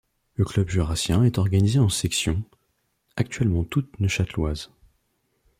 Le Club jurassien est organisé en sections, actuellement toutes neuchâteloises.